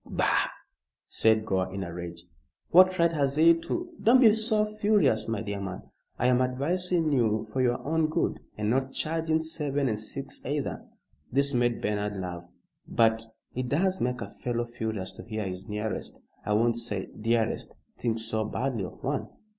"Bah!" said Gore, in a rage. "What right has he to " "Don't be so furious, my dear man. I am advising you for your own good, and not charging seven and six either." This made Bernard laugh. "But it does make a fellow furious to hear his nearest I won't say dearest think so badly of one."